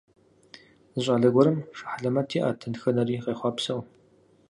Зы щӏалэ гуэрым шы хьэлэмэт иӏэт, дэтхэнэри къехъуапсэу.